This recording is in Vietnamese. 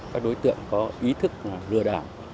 các đối tượng có ý thức lừa đảo